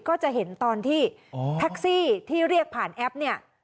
ก็จะเห็นตอนที่แท็กซี่ที่เรียกผ่านแอปเนี่ย